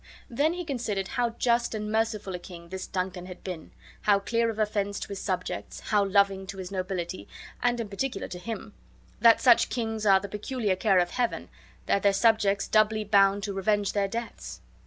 Then he considered how just and merciful a king this Duncan had been, how clear of offense to his subjects, how loving to his nobility, and in particular to him; that such kings are the peculiar care of Heaven, and their subjects doubly bound to revenge their deaths.